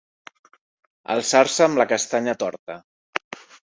Alçar-se amb la castanya torta.